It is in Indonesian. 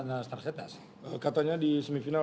ternyata tarjeta diberi di semifinal